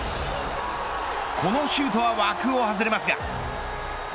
このシュートは枠を外れますが。